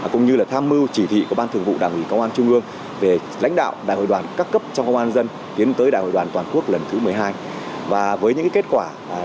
cũng như là tham mưu chỉ thị của ban thường vụ đảng ủy công an trung ương về lãnh đạo đại hội đoàn cấp cấp trong công an nhân dân đến tới đại hội đoàn toàn quốc lần thứ một mươi hai